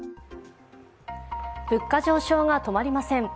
物価上昇が止まりません。